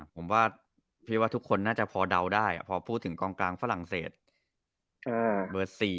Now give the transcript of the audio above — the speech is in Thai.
ผมว่าพี่ว่าทุกคนน่าจะพอเดาได้พอพูดถึงกองกลางฝรั่งเศสเบอร์๔